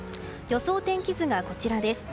予想天気図がこちらです。